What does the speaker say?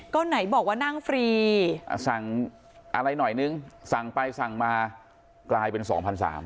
ก็ไหนบอกว่านั่งฟรีสั่งอะไรหน่อยนึงสั่งไปสั่งมากลายเป็น๒๓๐๐บาท